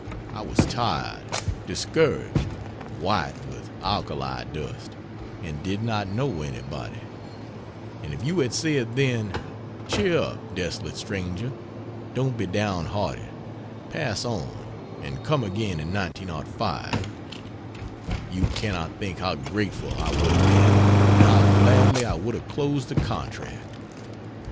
I was tired, discouraged, white with alkali dust, and did not know anybody; and if you had said then, "Cheer up, desolate stranger, don't be down hearted pass on, and come again in 1905," you cannot think how grateful I would have been and how gladly I would have closed the contract.